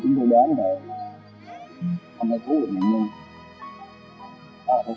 những hình ảnh vừa rồi cũng đã kết thúc chương trình a lô một mươi một bốn tuần này